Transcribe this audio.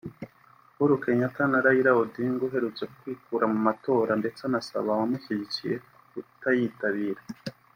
uhuru Kenyatta na Raila Odinga uherutse kwikura mu matora ndetse anasaba abamushyigikiye kutayitabira